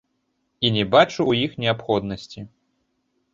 І не бачу ў іх неабходнасці.